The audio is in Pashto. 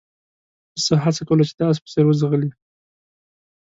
پسه هڅه کوله چې د اس په څېر وځغلي.